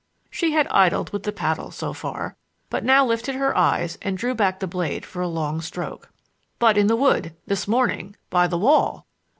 She had idled with the paddle so far, but now lifted her eyes and drew back the blade for a long stroke. "But in the wood—this morning—by the wall!"